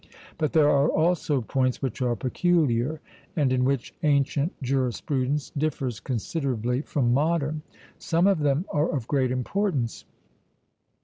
But there are also points which are peculiar, and in which ancient jurisprudence differs considerably from modern; some of them are of great importance...